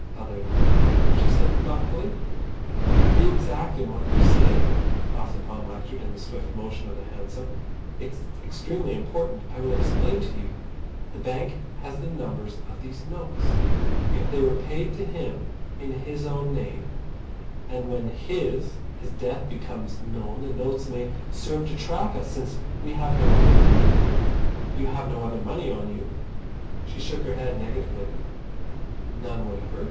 "Other name?" she said thoughtfully. "Be exact in what you say," Ossipon lectured in the swift motion of the hansom. "It's extremely important. I will explain to you. The bank has the numbers of these notes. If they were paid to him in his own name, then when his—his death becomes known, the notes may serve to track us since we have no other money. You have no other money on you?" She shook her head negatively. "None whatever?"